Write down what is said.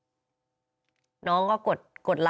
ไม่เคยได้มาพูดคุยถามอาการของลูกหนู